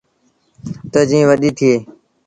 تا جين وڏيٚ ٿئي ۔